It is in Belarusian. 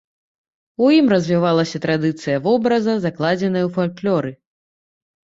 У ім развівалася традыцыя вобраза, закладзеная ў фальклоры.